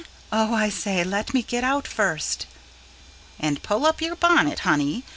Oh, I say, let me get out first." "And pull up your bonnet, honey.